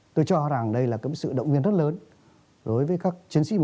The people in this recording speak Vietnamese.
tôi cho rằng đây là sự động viên rất lớn đối với các chiến sĩ mới